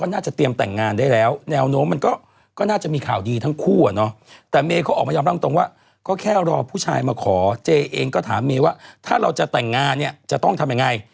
ว่าถ้าเราจะแต่งงานเนี่ยจะต้องทำยังไง